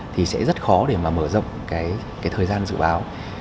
thì sẽ rất khó để mà mở rộng cái thời gian dự báo